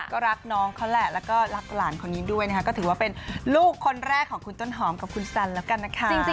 ก็รักน้องเขาแหละแล้วก็รักหลานคนนี้ด้วยนะคะก็ถือว่าเป็นลูกคนแรกของคุณต้นหอมกับคุณสันแล้วกันนะคะ